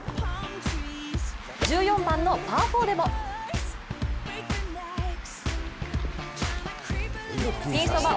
１４番のパー４でもピンそば